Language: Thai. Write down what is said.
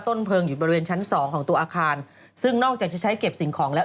เพลิงอยู่บริเวณชั้นสองของตัวอาคารซึ่งนอกจากจะใช้เก็บสิ่งของแล้ว